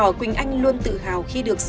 từ nhỏ quỳnh anh luôn tự hào khi được sinh ra